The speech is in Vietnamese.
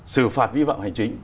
sự phạt vi phạm hành chính